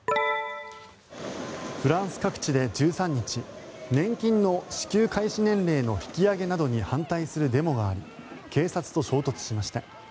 フランス各地で１３日年金の支給開始年齢の引き上げなどに反対するデモがあり警察と衝突しました。